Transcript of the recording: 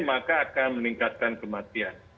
maka akan meningkatkan kematian